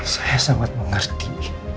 saya sangat mengerti